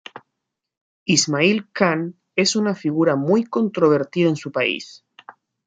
Ismail Khan es una figura muy controvertida en su país.